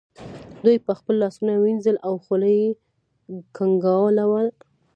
دوی به خپل لاسونه وینځل او خوله به یې کنګالوله.